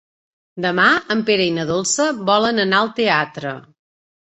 Demà en Pere i na Dolça volen anar al teatre.